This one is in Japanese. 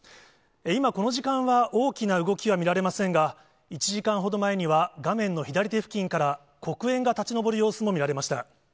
今、この時間は大きな動きは見られませんが、１時間ほど前には、画面の左手付近から黒煙が立ち上る様子も見られました。